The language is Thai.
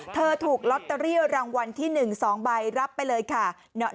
ถูกลอตเตอรี่รางวัลที่๑๒ใบรับไปเลยค่ะ